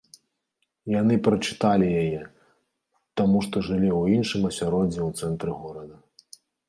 Яны прачыталі яе, таму што жылі ў іншым асяроддзі ў цэнтры горада.